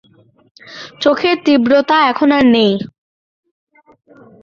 চোখের তীব্রতা এখন আর নেই।